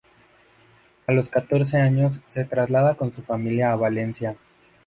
A los catorce años, se traslada con su familia a Valencia.